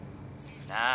なあ。